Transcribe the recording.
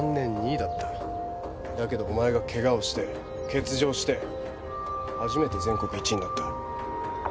だけどお前がケガをして欠場して初めて全国１位になった。